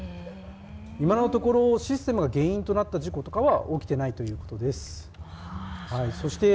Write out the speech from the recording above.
今のところシステムが原因となった事故は起きていないということです。